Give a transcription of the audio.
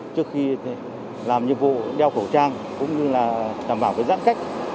trước khi làm nhiệm vụ đeo khẩu trang cũng như là đảm bảo giãn cách